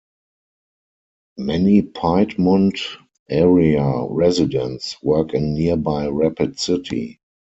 Many Piedmont area residents work in nearby Rapid City.